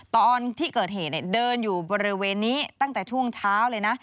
ตอนที่เกิดเหตุเดินอยู่บริเวณนี้ตั้งแต่ช่วงเช้าเลยนะ